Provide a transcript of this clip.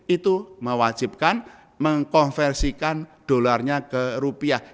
itu mewajibkan mengkonversikan dolarnya ke rupiah